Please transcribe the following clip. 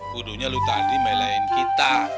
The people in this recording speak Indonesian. kudunya lo tadi melain kita